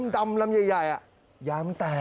ดำลำใหญ่ย้ำแตก